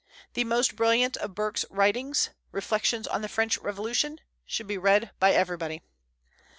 The most brilliant of Burke's writings, "Reflections on the French Revolution," should be read by everybody.